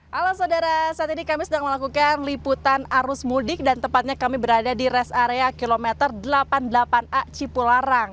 halo saudara saat ini kami sedang melakukan liputan arus mudik dan tepatnya kami berada di rest area kilometer delapan puluh delapan a cipularang